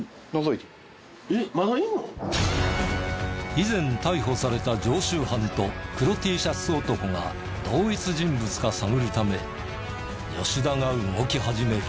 以前逮捕された常習犯と黒Ｔシャツ男が同一人物か探るため吉田が動き始める。